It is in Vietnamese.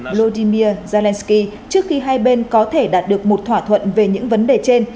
vladimir zelensky trước khi hai bên có thể đạt được một thỏa thuận về những vấn đề trên